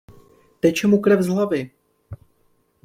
Teče mu krev z hlavy!